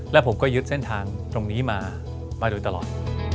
และผมก็ยึดเส้นทางตรงนี้มามาโดยตลอด